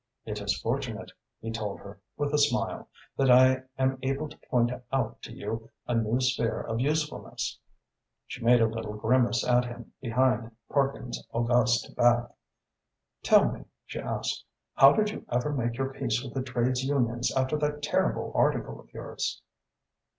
"It is fortunate," he told her, with a smile, "that I am able to point out to you a new sphere of usefulness." She made a little grimace at him behind Parkins' august back. "Tell me," she asked, "how did you ever make your peace with the trades unions after that terrible article of yours?"